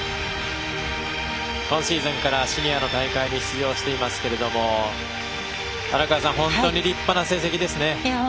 今シーズンから、シニアの大会に出場していますけれども本当に立派な成績ですね。